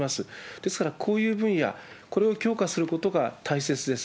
ですからこういう分野、これを強化することが大切です。